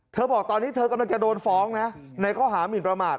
บอกตอนนี้เธอกำลังจะโดนฟ้องนะในข้อหามินประมาท